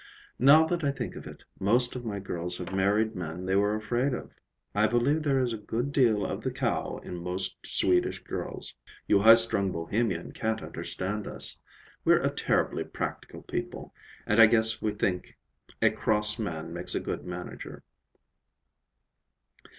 Now that I think of it, most of my girls have married men they were afraid of. I believe there is a good deal of the cow in most Swedish girls. You high strung Bohemian can't understand us. We're a terribly practical people, and I guess we think a cross man makes a good manager."